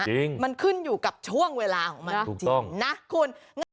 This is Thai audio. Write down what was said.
จริงมันขึ้นอยู่กับช่วงเวลาของมันจริงนะคุณ